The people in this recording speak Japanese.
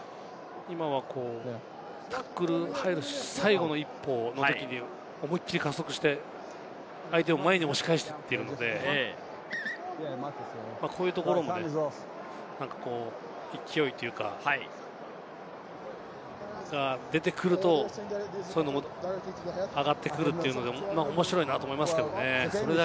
今はタックルが入る最後の１本のときに思いっきり加速して、相手を前に押し返しているので、こういうところも勢いというか、出てくると、上がってくるというので面白いと思いますけれどもね。